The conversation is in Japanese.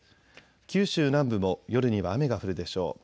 九州南部も夜には雨が降るでしょう。